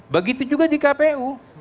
begitu juga di kpu